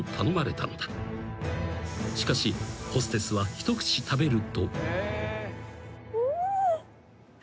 ［しかしホステスは一口食べると］